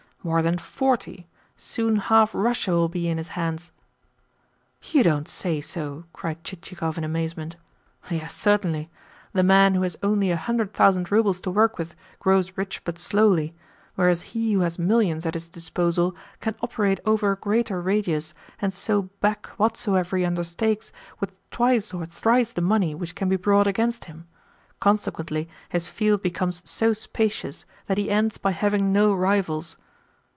More than forty. Soon half Russia will be in his hands." "You don't say so?" cried Chichikov in amazement. "Yes, certainly. The man who has only a hundred thousand roubles to work with grows rich but slowly, whereas he who has millions at his disposal can operate over a greater radius, and so back whatsoever he undertakes with twice or thrice the money which can be brought against him. Consequently his field becomes so spacious that he ends by having no rivals.